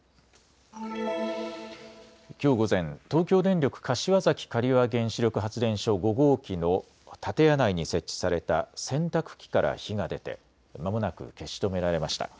きょう午前、東京電力柏崎刈羽原子力発電所５号機の建屋内に設置された洗濯機から火が出てまもなく消し止められました。